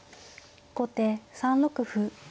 後手３六歩。